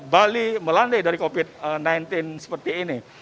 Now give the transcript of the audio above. bali melandai dari covid sembilan belas seperti ini